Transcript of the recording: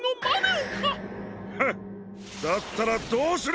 フッだったらどうする！？